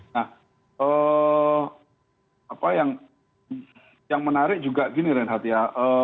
nah apa yang menarik juga gini ren hatia